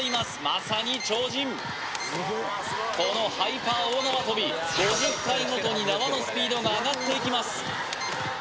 まさに超人このハイパー大縄跳び５０回ごとに縄のスピードが上がっていきます